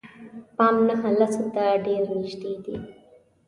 پام نهه لسو ته ډېر نژدې دي.